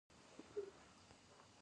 ایا غاښونه یې خراب نه دي؟